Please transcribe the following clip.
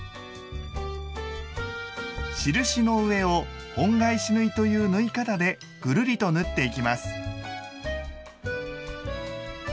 印の上を「本返し縫い」という縫い方でぐるりと縫っていきます。